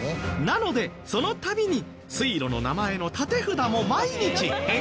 なのでその度に水路の名前の立て札も毎日変更。